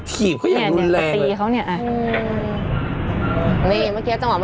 นี่แล้วดูถาม